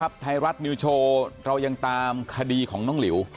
ไทยรัฐนิวโชว์เรายังตามคดีของน้องหลิว